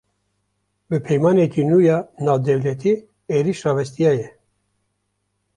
Bi peymaneke nû ya navdewletî, êriş rawestiya ye